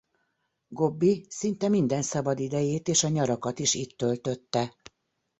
Gobbi szinte minden szabadidejét és a nyarakat is itt töltötte.